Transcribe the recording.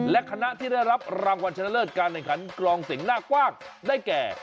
และคณะที่ได้รับรางวัลชนะเลิศการแข่งขันกรองเสียงหน้ากว้างได้แก่